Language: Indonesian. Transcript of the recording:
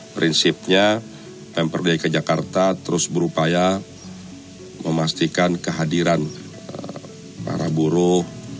prinsipnya pemprov dki jakarta terus berupaya memastikan kehadiran para buruh